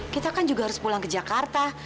kita kan juga harus pulang ke jakarta